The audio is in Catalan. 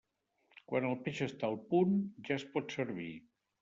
Quan el peix està al punt, ja es pot servir.